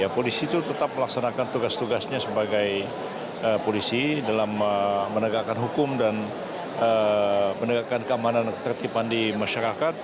polisi itu tetap melaksanakan tugas tugasnya sebagai polisi dalam menegakkan hukum dan menegakkan keamanan dan ketertiban di masyarakat